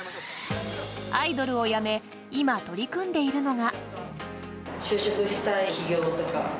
アイドルを辞め今、取り組んでいるのが。